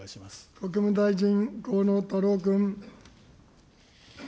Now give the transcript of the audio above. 国務大臣、河野太郎君。